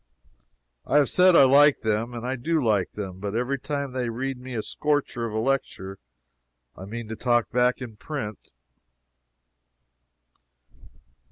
I have said I like them, and I do like them but every time they read me a scorcher of a lecture I mean to talk back in print.